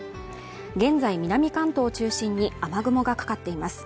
現在、南関東を中心に雨雲がかかっています